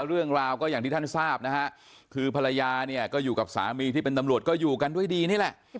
เรื่องราวก็อย่างที่ท่านทราบนะฮะคือภรรยาเนี่ยก็อยู่กับสามีที่เป็นตำรวจก็อยู่กันด้วยดีนี่แหละ